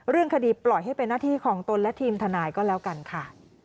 เรื่องคดีปล่อยให้เป็นหน้าที่ของตนและทีมทนายก็แล้วกันค่ะ